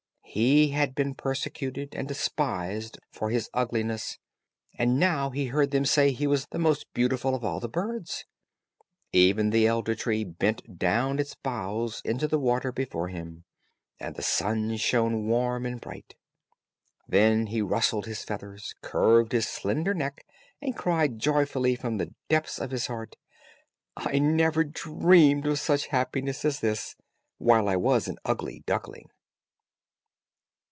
He had been persecuted and despised for his ugliness, and now he heard them say he was the most beautiful of all the birds. Even the elder tree bent down its bows into the water before him, and the sun shone warm and bright. Then he rustled his feathers, curved his slender neck, and cried joyfully, from the depths of his heart, "I never dreamed of such happiness as this, while I was an ugly duckling."